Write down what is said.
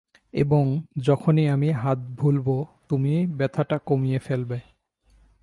এবং যখনই আমি হাত ভুলব, তুমি ব্যথাটা কমিয়ে ফেলবে।